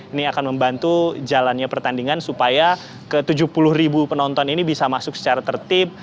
ini akan membantu jalannya pertandingan supaya ke tujuh puluh ribu penonton ini bisa masuk secara tertib